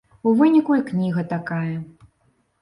У выніку і кніга такая.